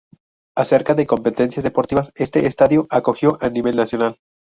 Acerca de competencias deportivas, este estadio acogió a nivel nacional.